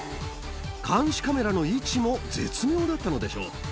監視カメラの位置も絶妙だったのでしょう。